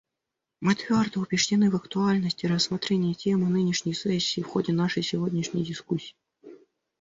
Мы твердо убеждены в актуальности рассмотрения темы нынешней сессии в ходе нашей сегодняшней дискуссии.